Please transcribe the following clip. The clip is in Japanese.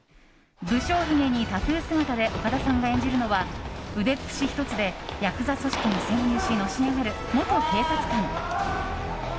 無精ひげにタトゥー姿で岡田さんが演じるのは腕っぷし１つでヤクザ組織に潜入しのし上がる元警察官。